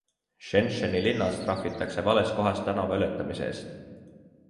Shenzheni linnas trahvitakse vales kohas tänava ületamise eest.